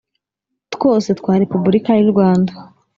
twose twa Repubulika y urwanda